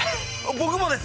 僕もです！